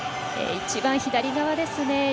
一番、左側ですね